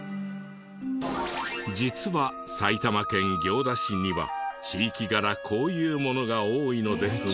実は埼玉県行田市には地域柄こういうものが多いのですが。